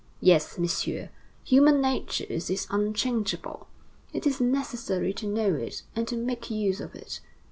Yes, Messieurs, human nature is unchangeable; it is necessary to know it and to make use of it.